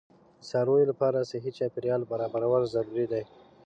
د څارویو لپاره صحي چاپیریال برابرول ضروري دي.